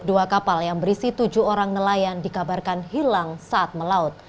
dua kapal yang berisi tujuh orang nelayan dikabarkan hilang saat melaut